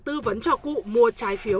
tư vấn cho cụ mua trái phiếu